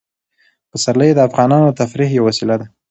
پسرلی د افغانانو د تفریح یوه وسیله ده.